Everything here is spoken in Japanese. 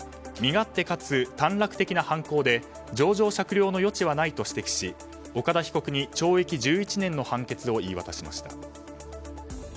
身勝手かつ短絡的な犯行で情状酌量の余地はないと指摘し岡田被告に懲役１１年の判決を言い渡しました。